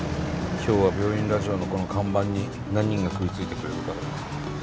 今日は「病院ラジオ」のこの看板に何人が食いついてくれるかな？